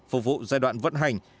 phục vụ giai đoạn vận hành